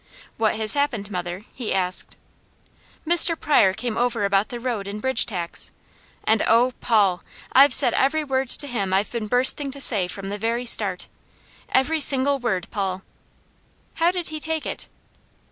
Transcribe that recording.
"What has happened, mother?" he asked. "Mr. Pryor came over about the road and bridge tax, and oh Paul! I've said every word to him I've been bursting to say from the very start. Every single word, Paul!" "How did he take it?"